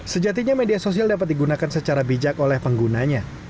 sejatinya media sosial dapat digunakan secara bijak oleh penggunanya